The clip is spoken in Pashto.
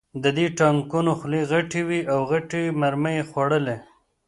د دې ټانکونو خولې غټې وې او غټې مرمۍ یې خوړلې